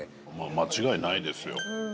間違いないですよ。